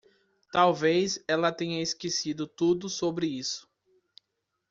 Talvez ela tenha esquecido tudo sobre isso.